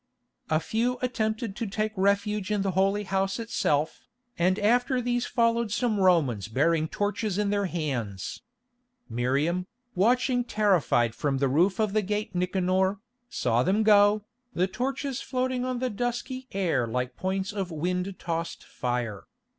A few attempted to take refuge in the Holy House itself, and after these followed some Romans bearing torches in their hands. Miriam, watching terrified from the roof of the Gate Nicanor, saw them go, the torches floating on the dusky air like points of wind tossed fire.